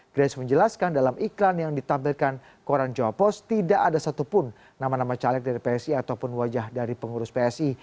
grace menjelaskan dalam iklan yang ditampilkan koran jawa post tidak ada satupun nama nama caleg dari psi ataupun wajah dari pengurus psi